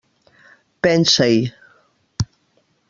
Pensa-hi.